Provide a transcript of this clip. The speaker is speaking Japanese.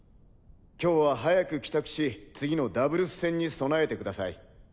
今日は早く帰宅し次のダブルス戦に備えてください。